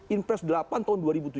inpres delapan tahun dua ribu tujuh belas